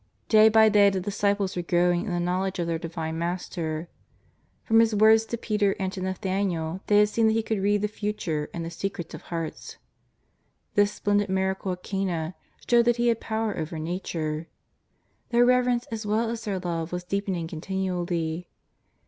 '' Day by day the disciples were grow ing in the knowledge of their Divine Master. From His words to Peter and to ISTathaniel they had seen that He could read the future and the secrets of hearts. This splendid miracle at Cana showed that He had power over j^ature. Their reverence as well as their love was deepening continually.